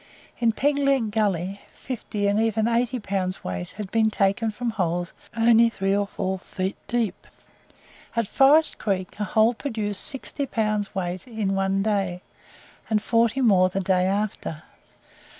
In Peg Leg Gully, fifty and even eighty pounds weight had been taken from holes only three or four feet deep. At Forest Creek a hole produced sixty pounds weight in one day, and forty more the day after.